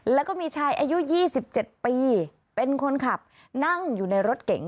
แล้วก็มีชายอายุ๒๗ปีเป็นคนขับนั่งอยู่ในรถเก๋ง